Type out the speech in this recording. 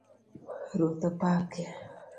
Ruoth opaki